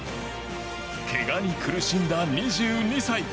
けがに苦しんだ２２歳。